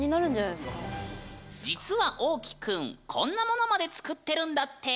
実はおうきくんこんなものまで作ってるんだって！